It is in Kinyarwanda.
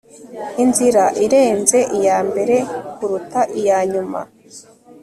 inzira irenze iyambere kuruta iyanyuma